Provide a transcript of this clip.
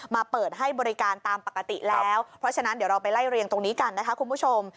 เปิดให้บริการตามปกติแล้วเพราะฉะนั้นเดี๋ยวเราไปไล่เรียงตรงนี้กันนะคะคุณผู้ชม